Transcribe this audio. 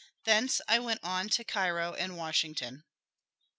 Thence I went on to Cairo and Washington.